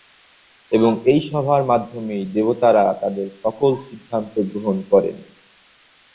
এবং এই সভার মাধ্যমেই দেবতারা তাঁদের সকল সিদ্ধান্ত গ্রহণ করেন।